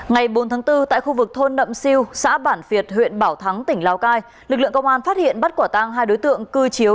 ngày bốn tháng bốn tại khu vực thôn nậm siêu xã bản việt huyện bảo thắng tỉnh lào cai lực lượng công an phát hiện bắt quả tang hai đối tượng cư chiếu